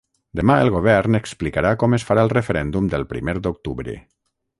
Demà el govern explicarà com es farà el referèndum del primer d’octubre.